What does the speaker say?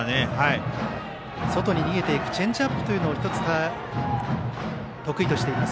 外に逃げていくチェンジアップを１つ、得意としています